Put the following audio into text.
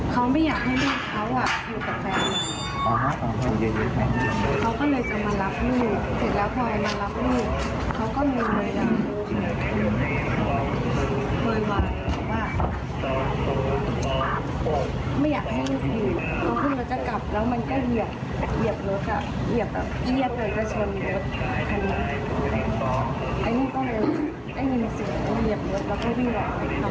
เขาไม่อยากให้ลูกเขาอยู่กับแฟนเขาก็เลยจะมารับลูกเสร็จแล้วพอมารับลูกเขาก็เมื่อเวลา